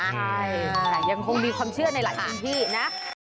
ใช่ยังคงมีความเชื่อในหลักที่ที่นะ